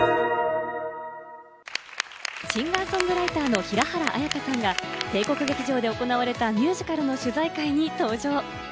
シンガー・ソングライターの平原綾香さんが帝国劇場で行われたミュージカルの取材会に登場。